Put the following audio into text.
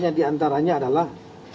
yang diantaranya adalah